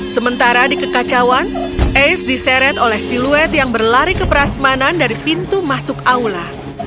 sementara di kekacauan ace diseret oleh siluet yang berlari ke prasmanan dari pintu masuk aula